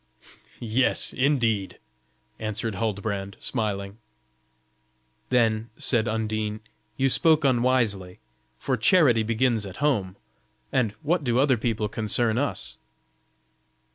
"Yes, indeed," answered Huldbrand, smiling. "Then," said Undine, "you spoke unwisely. For charity begins at home, and what do other people concern us?"